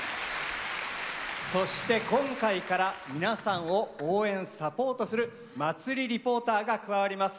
そして今回から皆さんを応援サポートするまつりリポーターが加わります。